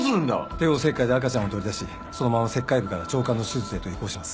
帝王切開で赤ちゃんを取り出しそのまま切開部から腸管の手術へと移行します。